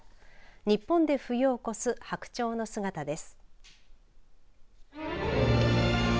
日本で冬を越す白鳥の姿です。